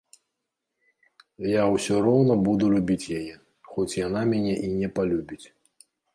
Я ўсё роўна буду любіць яе, хоць яна мяне і не палюбіць.